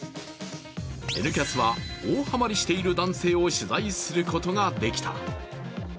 「Ｎキャス」は大ハマりしている男性を取材することができた。